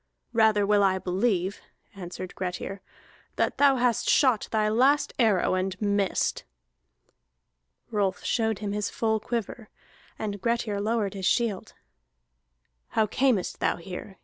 "Rather will I believe," answered Grettir, "that thou hast shot thy last arrow, and missed." Rolf showed him his full quiver, and Grettir lowered his shield. "How camest thou here?"